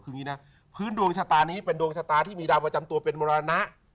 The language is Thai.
คืออย่างนี้นะพื้นดวงชะตานี้เป็นดวงชะตาที่มีดาวประจำตัวเป็นมรณะ